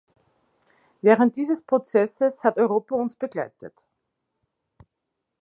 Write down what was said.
Während dieses Prozesses hat Europa uns begleitet.